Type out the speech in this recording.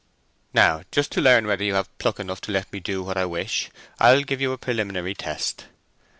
"Now just to learn whether you have pluck enough to let me do what I wish, I'll give you a preliminary test."